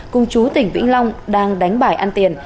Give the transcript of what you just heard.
cùng chú tỉnh vĩnh long đang đánh bài ăn tiền